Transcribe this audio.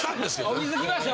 お水来ましたよ